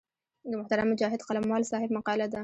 د محترم مجاهد قلموال صاحب مقاله ده.